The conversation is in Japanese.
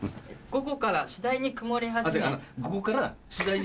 「午後からぁ次第に曇り始めぇ」。